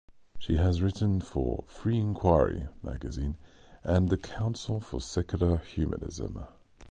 She has written for "Free Inquiry" magazine and the Council for Secular Humanism.